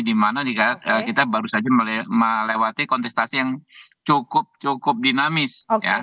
dimana jika kita baru saja melewati kontestasi yang cukup cukup dinamis